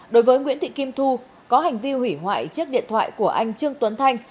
đối với nguyễn thị kim thu có hành vi hủy hoại chiếc điện thoại của anh trương tuấn thanh